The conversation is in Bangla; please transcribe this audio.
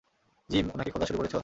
জিম, ওনাকে খোঁজা শুরু করেছ?